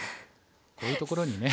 こういうところにね。